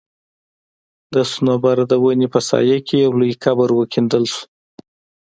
د صنوبر د وني په سايه کي يو لوى قبر وکيندل سو